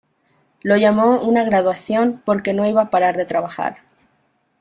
Lo llamó una "graduación", porque no iba a parar de trabajar.